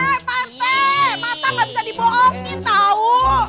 eh pak rt mata gak bisa diboongin tau